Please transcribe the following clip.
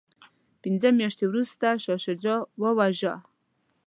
پنځه میاشتې وروسته شاه شجاع وواژه.